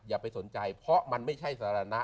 อย่าไปสนใจเพราะมันไม่ใช่สาระ